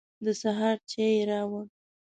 د سهار چای يې راوړ.